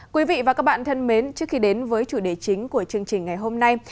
quý vị và các bạn thân mến trước khi đến với chủ đề chính của chương trình ngày hôm nay